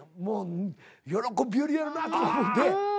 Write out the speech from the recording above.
もう喜びよるやろなと思って。